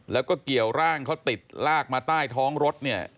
แล้วก็เกี่ยวร่างเขาติดลากมาใต้ท้องรถเนี่ย